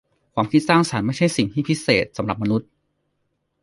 ความคิดสร้างสรรค์ไม่ใช่สิ่งที่พิเศษสำหรับมนุษย์